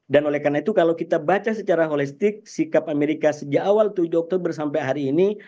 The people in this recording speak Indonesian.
dan oleh karena itu kalau kita baca secara holistik sikap amerika sejak awal tujuh oktober sampai hari ini